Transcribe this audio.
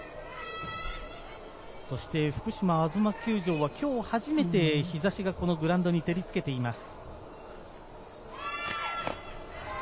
福島あづま球場は今日、初めて日差しがグラウンドに照りつけています。